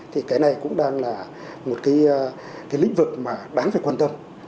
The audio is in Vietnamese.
thì cái này cũng đang là một cái lĩnh vực mà đáng phải quan tâm